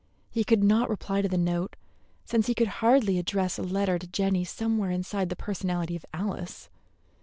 He could not reply to the note, since he could hardly address a letter to Jenny somewhere inside the personality of Alice.